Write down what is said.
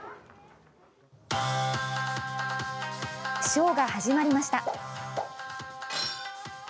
ショーが始まりました。